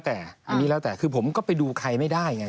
แต่อันนี้แล้วแต่คือผมก็ไปดูใครไม่ได้ไง